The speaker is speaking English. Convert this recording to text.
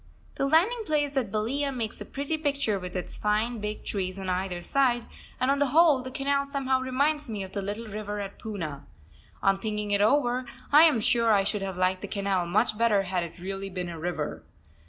The landing place at Balia makes a pretty picture with its fine big trees on either side, and on the whole the canal somehow reminds me of the little river at Poona. On thinking it over I am sure I should have liked the canal much better had it really been a river.